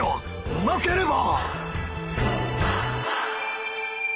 うまければ！